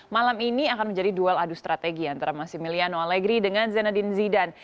malam ini akan menjadi duel adu strategi antara masi miliano allegri dengan zenedine zidane